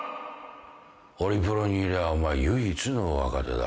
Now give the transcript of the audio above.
オリプロにいりゃお前唯一の若手だ。